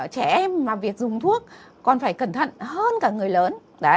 trẻ em mà việc dùng thuốc còn phải cẩn thận hơn cả người lớn